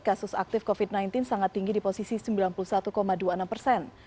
kasus aktif covid sembilan belas sangat tinggi di posisi sembilan puluh satu dua puluh enam persen